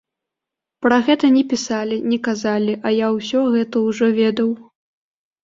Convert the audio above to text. Пра гэта не пісалі, не казалі, а я ўсё гэта ўжо ведаў.